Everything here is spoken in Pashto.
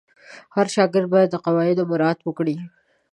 هر شاګرد باید د قواعدو مراعت وکړي.